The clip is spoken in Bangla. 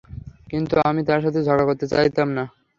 কিন্তু আমি তার সাথে ঝগড়া করতে চাইতাম না।